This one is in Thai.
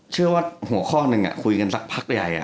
เชื่อว่าหัวข้อหนึ่งคุยกันสักพักใหญ่